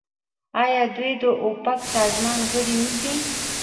آیا دوی د اوپک سازمان غړي نه دي؟